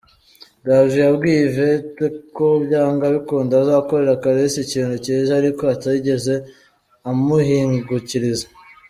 Gaju yabwiye Yvette ko byanga bikunda azakorera Kalisa ikintu cyiza ariko atigeze amuhingukiriza.